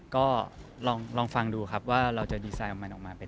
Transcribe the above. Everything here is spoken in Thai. ก็ลองฟังดูครับว่าเราจะดีไซน์ออกมาเป็นยังไงนะครับ